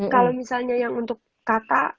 kalau misalnya yang untuk kata